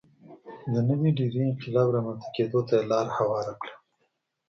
د نوې ډبرې انقلاب رامنځته کېدو ته یې لار هواره کړه.